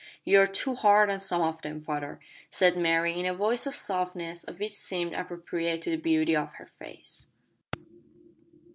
"You're too hard on some of them, father," said Mary, in a voice the softness of which seemed appropriate to the beauty of her face.